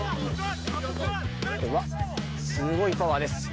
うわっ、すごいパワーです。